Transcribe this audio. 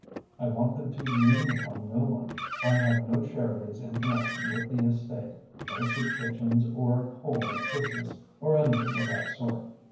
I want them to lean upon no one. I have no charities in connection with the estate, no soup kitchens or coal at Christmas, or anything of that sort.